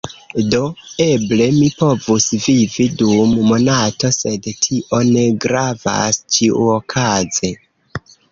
Do, eble mi povus vivi dum monato sed tio ne gravas ĉiuokaze